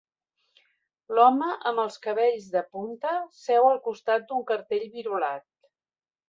L'home amb els cabells de punta seu al costat d'un cartell virolat